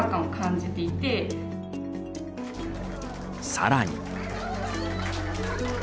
さらに。